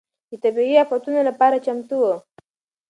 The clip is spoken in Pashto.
د طبيعي افتونو لپاره چمتو و.